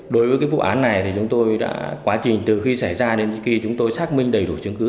đối với cái vụ án này thì chúng tôi đã quá trình từ khi xảy ra đến khi chúng tôi xác minh đầy đủ chứng cứ